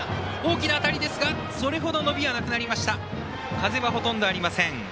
風はほとんどありません。